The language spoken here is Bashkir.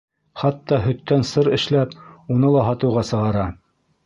Хатта һөттән сыр эшләп, уны ла һатыуға сығара.